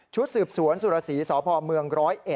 ชุดสืบสวนสุรศรีสภเมือง๑๐๑